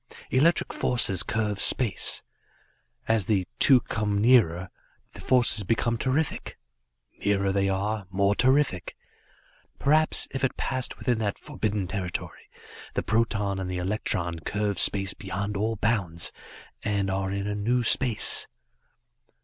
"Electric force curves space. As the two come nearer, the forces become terrific; nearer they are; more terrific. Perhaps, if it passed within that forbidden territory, the proton and the electron curve space beyond all bounds and are in a new space."